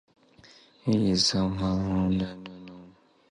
He has a son, Josh, with ex-Atomic Kitten singer Natasha Hamilton.